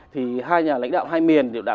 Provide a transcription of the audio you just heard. thì hai nhà lãnh đạo hai miền đều đã